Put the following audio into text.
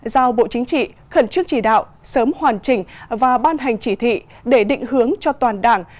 giao bộ chính trị khẩn trương chỉ đạo sớm hoàn chỉnh và ban hành chỉ thị để định hướng cho toàn đảng